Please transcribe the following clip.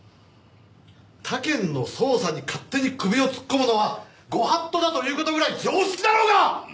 他県の捜査に勝手に首を突っ込むのはご法度だという事ぐらい常識だろうが！